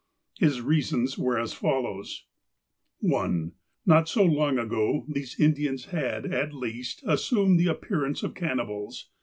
His reasons were as follows : 1. Not so long ago these Indians had at least assumed ti^e appearance of cannibals.